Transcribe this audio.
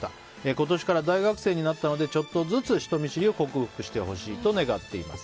今年から大学生になったのでちょっとずつ人見知りを克服してほしいと願っています。